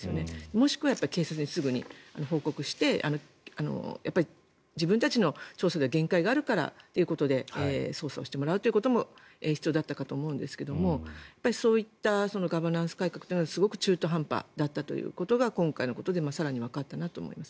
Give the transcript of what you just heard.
もしくは警察にすぐに報告して自分たちの調査では限界があるからということで捜査をしてもらうということも必要だったかと思うんですけどそういったガバナンス改革というのがすごく中途半端だったということが今回のことで更にわかったなと思います。